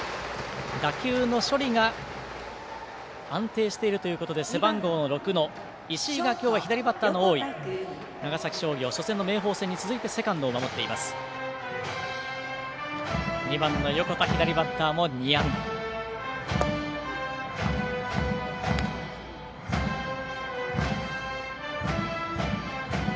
打球の処理が安定しているということで背番号６の石井が今日は左バッターの多い長崎商業、初戦の明豊戦に続いてセカンドを守っています。